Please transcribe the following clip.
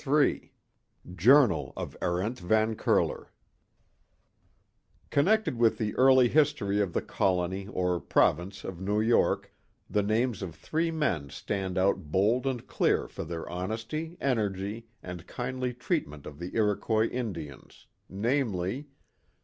Chapter III Journal of Arent Van Curler CONNECTED with the early history of the colony or province of New York, the names of three men stand out bold and clear for their honesty, energy, and kindly treatment of the Iroquois Indians, namely